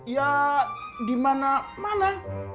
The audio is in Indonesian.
ya di mana mana